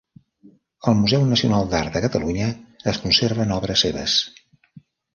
Al Museu Nacional d'Art de Catalunya es conserven obres seves.